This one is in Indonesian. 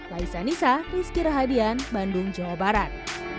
laisa nisa rizky rahadian bandung jawa barat